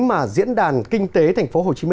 mà diễn đàn kinh tế tp hcm